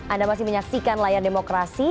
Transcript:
anda masih menyaksikan layar demokrasi